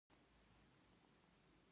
د یونیسف مرستې ماشومانو ته رسیږي؟